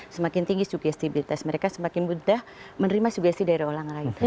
semakin tinggi sugestibilitas mereka semakin mudah menerima sugesti dari orang lain